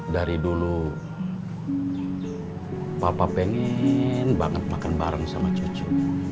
dari dulu papa pengen banget makan bareng sama cucu